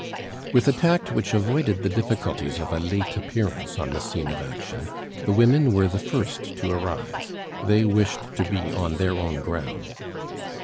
With a tact which avoided the difficulties of a late appearance on the scene of action, the women were the first to arrive; they wished to be on their own ground.